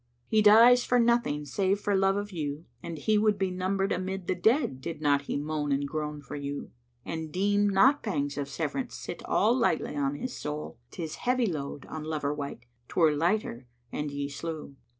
He dies for nothing save for love of you, and he would be * Numbered amid the dead did not he moan and groan for you. And deem not pangs of severance sit all lightly on his soul; * 'Tis heavy load on lover wight; 'twere lighter an ye slew."